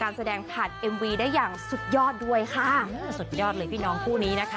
แสดงผ่านเอ็มวีได้อย่างสุดยอดด้วยค่ะสุดยอดเลยพี่น้องคู่นี้นะคะ